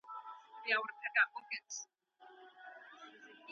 که دغه حکمين يا منځګړي د اصلاح اراده ولري.